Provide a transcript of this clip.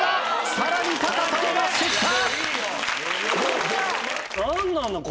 さらに高さを出してきた。